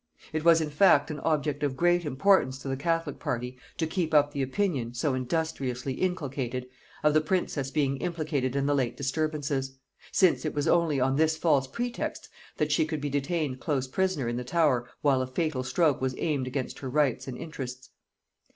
It was in fact an object of great importance to the catholic party to keep up the opinion, so industriously inculcated, of the princess being implicated in the late disturbances; since it was only on this false pretext that she could be detained close prisoner in the Tower while a fatal stroke was aimed against her rights and interests.